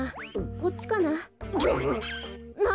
こっちか？